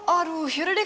aduh yaudah deh